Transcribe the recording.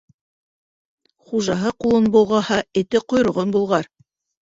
Хужаһы ҡулын болғаһа, эте ҡойроғон болғар.